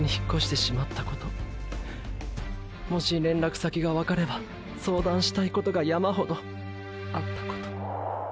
もし連絡先がわかれば相談したいことが山ほどーーあったこと。